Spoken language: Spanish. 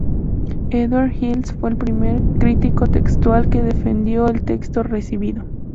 Edward Hills fue el primer crítico textual que defendió al Texto Recibido.